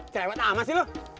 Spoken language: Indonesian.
cerewet lama sih lo